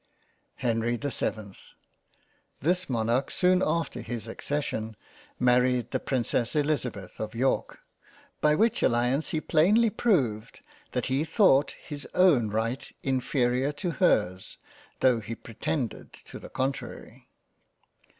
HENRY the 7th THIS Monarch soon after his accession married the Princess Elizabeth of York, by which alliance he plainly proved that he thought his own right inferior 87 JANE AUSTEN to hers, tho' he pretended to the contrary.